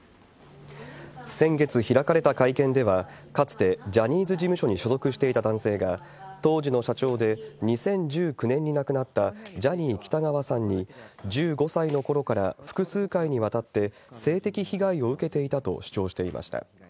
先月開かれた会見では、かつてジャニーズ事務所に所属していた男性が、当時の社長で、２０１９年に亡くなったジャニー喜多川さんに、１５歳のころから複数回にわたって性的被害を受けていたと主張していました。